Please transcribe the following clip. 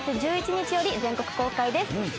２月１１日より全国公開です。